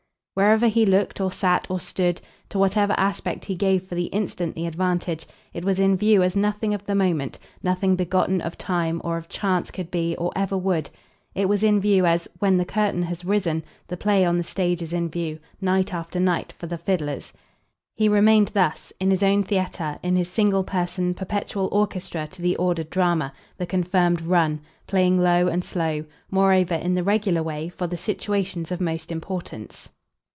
Wherever he looked or sat or stood, to whatever aspect he gave for the instant the advantage, it was in view as nothing of the moment, nothing begotten of time or of chance could be, or ever would; it was in view as, when the curtain has risen, the play on the stage is in view, night after night, for the fiddlers. He remained thus, in his own theatre, in his single person, perpetual orchestra to the ordered drama, the confirmed "run"; playing low and slow, moreover, in the regular way, for the situations of most importance.